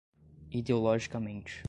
ideologicamente